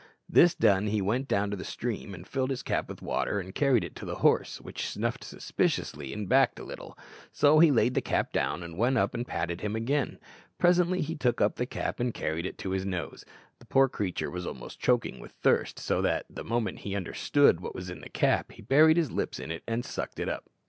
This done, he went down to the stream and filled his cap with water and carried it to the horse, which snuffed suspiciously and backed a little; so he laid the cap down, and went up and patted him again. Presently he took up the cap and carried it to his nose. The poor creature was almost choking with thirst, so that, the moment he understood what was in the cap, he buried his lips in it and sucked it up.